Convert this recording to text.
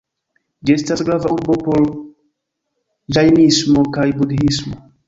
Ĝi estas grava urbo por ĝajnismo kaj budhismo.